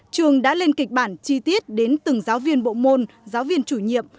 trường đã lên kịch bản chi tiết đến từng giáo viên bộ môn giáo viên chủ nhiệm